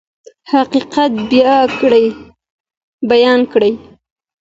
حقیقت بیان کړئ.